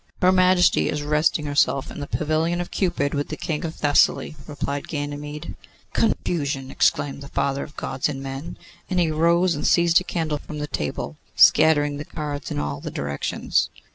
'Her Majesty is resting herself in the pavilion of Cupid, with the King of Thessaly,' replied Ganymede. 'Confusion!' exclaimed the Father of Gods and men; and he rose and seized a candle from the table, scattering the cards in all directions.